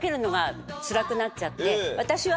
私は。